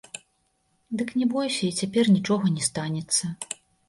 Дык не бойся, і цяпер нічога не станецца.